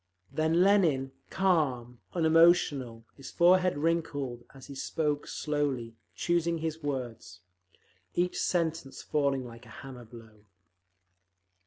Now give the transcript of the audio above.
Then Lenin, calm, unemotional, his forehead wrinkled, as he spoke slowly, choosing his words; each sentence falling like a hammer blow.